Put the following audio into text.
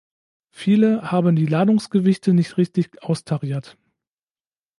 Viele haben die Ladungsgewichte nicht richtig austariert.